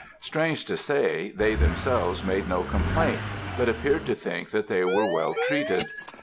Strange to say, they themselves made no complaint, but appeared to think that they were well treated.